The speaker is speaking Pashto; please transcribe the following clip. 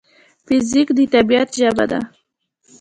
فزیک د طبیعت ژبه ده.